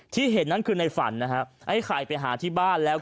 ที่เห็นนั้นคือในฝันนะฮะไอ้ไข่ไปหาที่บ้านแล้ว